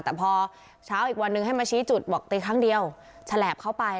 แต่พอเช้าอีกวันนึงให้มาชี้จุดบอกตีครั้งเดียวฉลาบเข้าไป